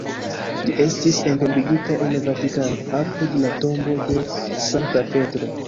Li estis entombigita en Vatikano, apud la tombo de Sankta Petro.